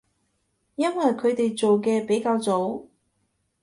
因為佢哋做嘅比較早